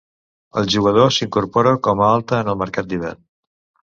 El jugador s'incorpora com alta en el mercat d'hivern.